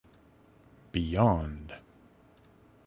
Beyond!